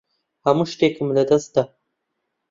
هەموو شتێکم لەدەست دا.